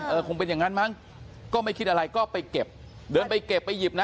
คงเป็นอย่างนั้นมั้งก็ไม่คิดอะไรก็ไปเก็บเดินไปเก็บไปหยิบนะ